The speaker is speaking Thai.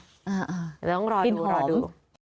เดี๋ยวต้องรอดูรอดู